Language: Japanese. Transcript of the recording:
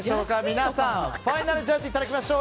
皆さん、ファイナルジャッジいただきましょう。